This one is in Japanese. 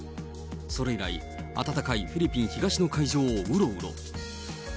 それ以外、暖かいフィリピン東の海上をうろうろ。